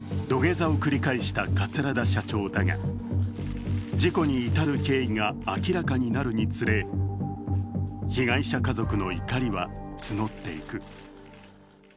会見で土下座を繰り返した桂田社長だが、事故に至る経緯が明らかになるにつれ被害者家族の怒りは募っていく。